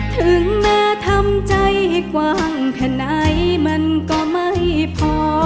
ถึงแม้ทำใจให้กว้างแค่ไหนมันก็ไม่พอ